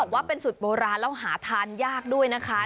ว่าเป็นสูตรโบราณแล้วหาทานยากด้วยนะคะ